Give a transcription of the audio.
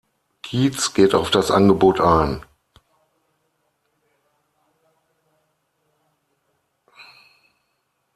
Keats geht auf das Angebot ein.